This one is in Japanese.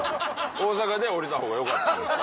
大阪で降りたほうがよかったんです。